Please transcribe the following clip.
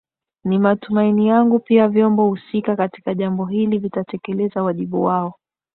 Ni matumaini yangu pia vyombo husika katika jambo hili vitatekeleza wajibu wao